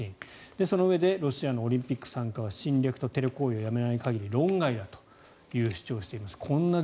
そのうえでロシアのオリンピック参加は侵略とテロ行為をやめない限り論外だという主張をしています。